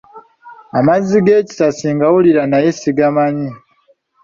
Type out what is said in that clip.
Amazzi g’Ekisasi ngawulira naye sigamanyi.